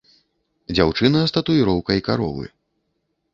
Дзяўчына з татуіроўкай каровы.